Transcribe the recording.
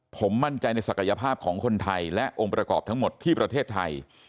ผมมั่นใจในศักยภาพของคนไทยและองค์ประกอบทั้งหมดที่ประเทศไทย